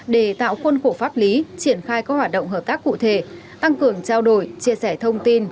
để tạo khuôn khổ pháp lý triển khai các hoạt động hợp tác cụ thể tăng cường trao đổi chia sẻ thông tin